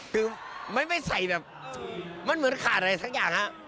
คือไม่ใส่แบบมันเหมือนขาดอะไรสักอย่างฮะ